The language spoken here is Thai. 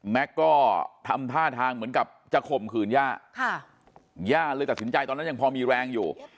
ก็ทำท่าทางเหมือนกับจะข่มขืนย่าย่าเลยตัดสินใจตอนนั้นยังพอมีแรงอยู่